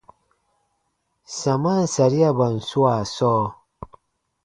Samaan sariaban swaa sɔɔ.